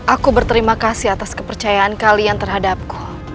aku berterima kasih atas kepercayaan kalian terhadapku